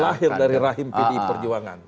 lahir dari rahim pdi perjuangan